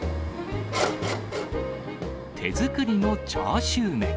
手作りのチャーシュー麺。